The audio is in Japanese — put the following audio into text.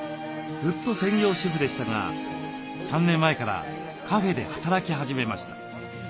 ずっと専業主婦でしたが３年前からカフェで働き始めました。